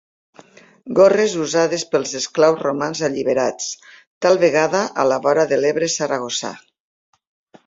Gorres usades pels esclaus romans alliberats, tal vegada a la vora de l'Ebre saragossà.